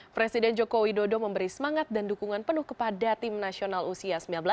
presiden joko widodo memberi semangat dan dukungan penuh kepada tim nasional usia sembilan belas